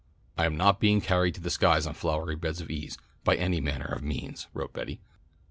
"I am not being carried to the skies on flowery beds of ease, by any manner of means," wrote Betty.